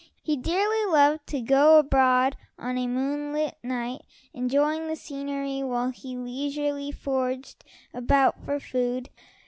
He dearly loved to go abroad on a moonlight night, enjoying the scenery while he leisurely foraged about for food.